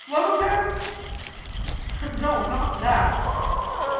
Love affair?" "No, not that."